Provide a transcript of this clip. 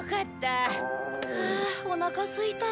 ハアおなかすいた。